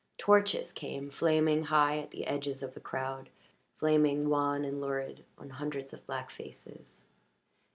Torches came, flaming high at the edges of the crowd, flaming wan and lurid on hundreds of black faces.